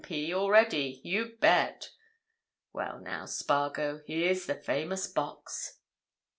P., already—you bet! Well, now, Spargo, here's the famous box."